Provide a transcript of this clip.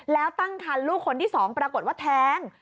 แล้วตั้งคันลูกคนที่๒ปรากฏว่าแทง